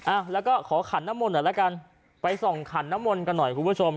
อ่ะแล้วก็ขอขันน้ำมนต์หน่อยละกันไปส่องขันน้ำมนต์กันหน่อยคุณผู้ชม